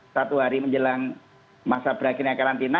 satu hari menjelang masa berakhirnya karantina